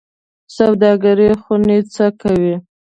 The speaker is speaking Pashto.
سوداګرۍ خونې څه کوي؟